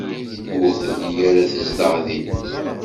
Ur telli ara tezdeɣ din.